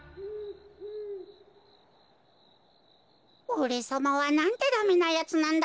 おれさまはなんてダメなやつなんだってか。